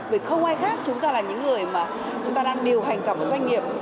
vì không ai khác chúng ta là những người mà chúng ta đang điều hành cả một doanh nghiệp